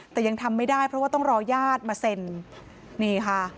แต่ยังทำไม่ได้เพราะว่าต้องรอญาติมาเซ็นนี่ค่ะ